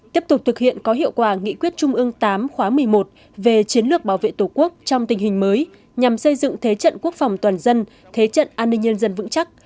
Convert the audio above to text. tiếp tục thực hiện có hiệu quả nghị quyết trung ương tám khóa một mươi một về chiến lược bảo vệ tổ quốc trong tình hình mới nhằm xây dựng thế trận quốc phòng toàn dân thế trận an ninh nhân dân vững chắc